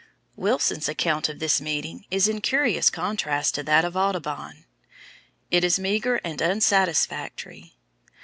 Wilson's account of this meeting is in curious contrast to that of Audubon. It is meagre and unsatisfactory.